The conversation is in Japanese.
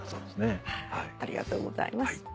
ありがとうございます。